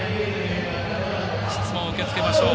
質問受け付けましょう。